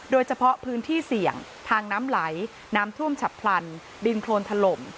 โดยเฉพาะพื้นที่เสี่ยงทางน้ำไหลน้ำท่วมฉับพลันดินโครนถล่ม